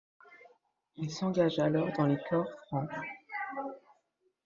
Il s'engage alors dans les corps francs.